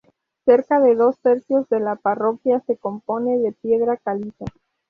Cerca de dos tercios de la parroquia se compone de piedra caliza.